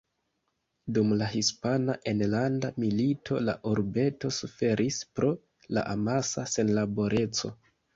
Dum la Hispana enlanda milito, la urbeto suferis pro la amasa senlaboreco.